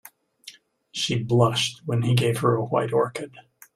She blushed when he gave her a white orchid.